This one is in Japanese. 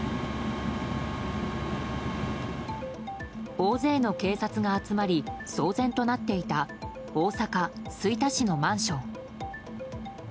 大勢の警察が集まり騒然となっていた大阪・吹田市のマンション。